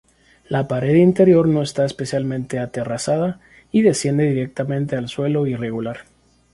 La pared interior no está especialmente aterrazada, y desciende directamente al suelo irregular.